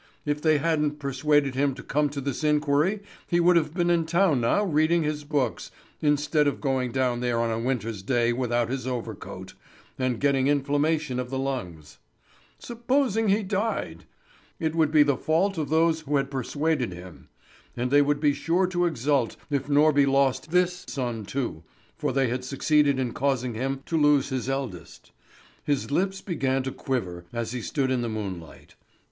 If they hadn't persuaded him to come to this inquiry he would have been in town now reading his books, instead of going down there on a winter's day without his overcoat, and getting inflammation of the lungs. Supposing he died! It would be the fault of those who had persuaded him; and they would be sure to exult if Norby lost this son too, for they had succeeded in causing him to lose his eldest. His lips began to quiver as he stood in the moonlight.